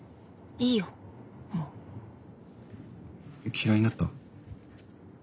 嫌いになった？